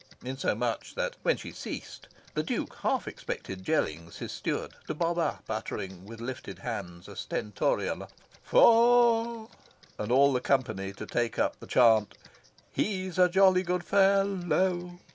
Insomuch that, when she ceased, the Duke half expected Jellings, his steward, to bob up uttering, with lifted hands, a stentorian "For or," and all the company to take up the chant: "he's a jolly good fellow."